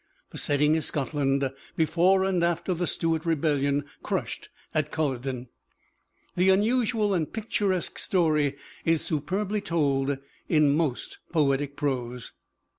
The set ting is Scotland, before and after the Stuart rebellion crushed at Culloden. The unusual and picturesque story is superbly told in most poetic prose.